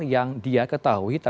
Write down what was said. yang dia ketahui terhadapnya